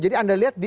jadi anda lihat